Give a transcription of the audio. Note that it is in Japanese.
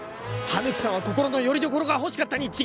羽貫さんは心のよりどころが欲しかったに違いない！